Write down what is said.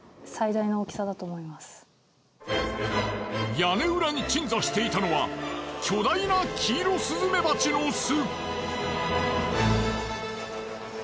屋根裏に鎮座していたのは巨大なキイロスズメバチの巣。